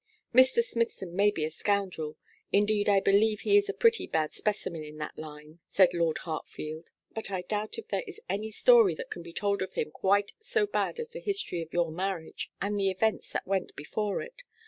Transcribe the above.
'Mr. Smithson may be a scoundrel; indeed, I believe he is a pretty bad specimen in that line,' said Lord Hartfield. 'But I doubt if there is any story that can be told of him quite so bad as the history of your marriage, and the events that went before it.